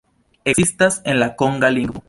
Ekzistas en la konga lingvo.